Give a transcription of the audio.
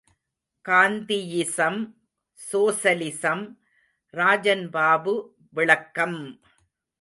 காந்தியிசம் socialism Rajan Babu விளக்கம்!